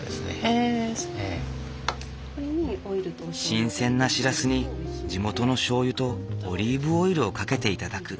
新鮮なしらすに地元のしょうゆとオリーブオイルをかけて頂く。